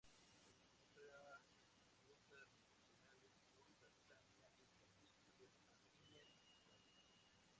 Opera rutas regionales por Tanzania, e internacionales a Kenia y Uganda.